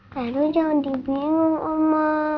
tidak ada yang dibingung oma